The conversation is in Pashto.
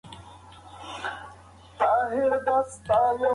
مور مې وویل چې تازه سبزیجات د بدن لپاره ګټور دي.